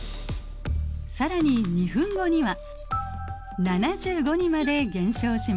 更に２分後には７５にまで減少しました。